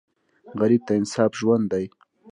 غریب ته انصاف ژوند دی